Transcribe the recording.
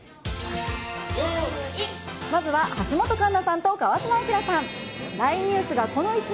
まずは橋本環奈さんと川島明さん。